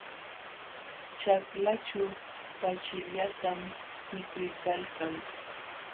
Ćhaklaćhu pachillatam mikuykalkan.